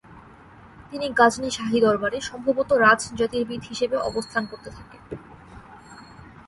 তিনি গাজনি শাহী দরবারে সম্ভবত রাজ জ্যোতির্বিদ হিসেবে অবস্থান করতে থাকেন।